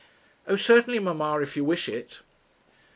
'Oh! certainly, mamma, if you wish it.'